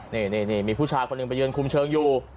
นี่มีผู้ชายคนหนึ่งไปยืนคุมเชิงอยู่